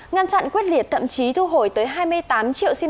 ngăn chặn quyết liệt tậm chí thu hồi tới hai mươi tám triệu